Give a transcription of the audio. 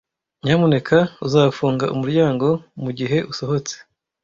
Nyamuneka uzafunga umuryango mugihe usohotse.